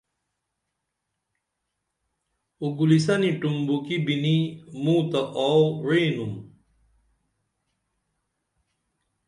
اُگولیسنی ٹُمبوکی بِنی موں تہ آو وعینُم